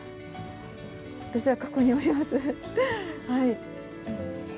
私はここにおります、はい。